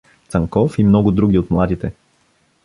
Цанков и много други от младите.